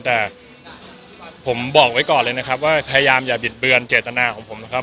แต่ผมบอกไว้ก่อนเลยนะครับว่าพยายามอย่าบิดเบือนเจตนาของผมนะครับ